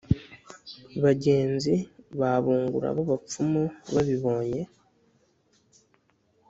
bagenzi ba bungura b'abapfumu babibonye